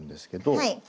はい。